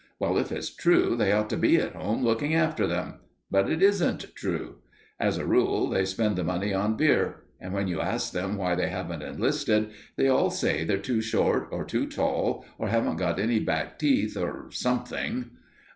Well, if it's true, they ought to be at home looking after them. But it isn't true. As a rule, they spend the money on beer. And when you ask them why they haven't enlisted, they all say they're too short, or too tall, or haven't got any back teeth, or something."